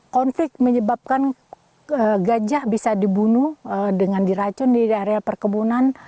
konflik menyebabkan gajah bisa dibunuh dengan diracun di areal perkebunan